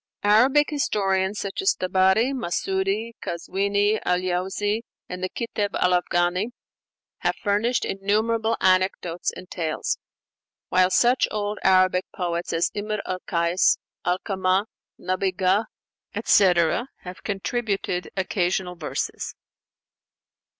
Arabic historians such as Tabari, Masudi, Kazwini, al Jaúzi and the Kitab al Aghani, have furnished innumerable anecdotes and tales; while such old Arabic poets as Imr al Kais, Alkamah, Nabhighah, etc., have contributed occasional verses.